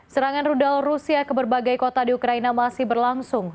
serangan rudal rusia ke berbagai kota di ukraina masih berlangsung